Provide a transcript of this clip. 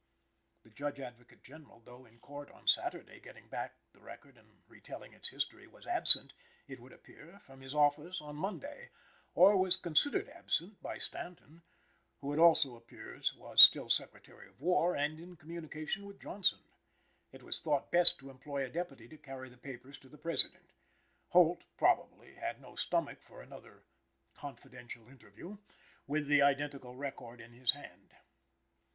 The Judge Advocate General, though in court on Saturday getting back the record and retelling its history, was absent, it would appear, from his office on Monday, or was considered absent by Stanton, who it also appears was still Secretary of War and in communication with Johnson. It was thought best to employ a deputy to carry the papers to the President. Holt, probably, had no stomach for another "confidential interview," with the identical record in his hand.